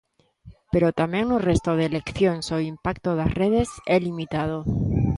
Pero tamén no resto de eleccións o impacto das redes é limitado.